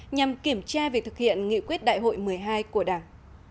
nhằm kiểm tra việc thực hiện nghị quyết đại hội một mươi hai của đảng